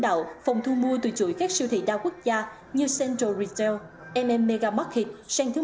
đạo phòng thu mua từ chuỗi các siêu thị đa quốc gia như central retail mm megamarket sang thương